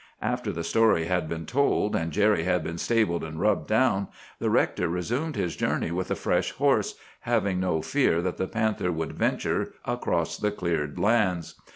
"After the story had been told, and Jerry had been stabled and rubbed down, the rector resumed his journey with a fresh horse, having no fear that the panther would venture across the cleared lands.